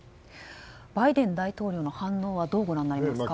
バイデン大統領の反応はどうご覧になりますか？